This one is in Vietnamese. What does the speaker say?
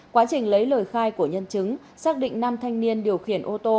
quá trình lấy lời khai của nhân chứng xác định nam thanh niên điều khiển ô tô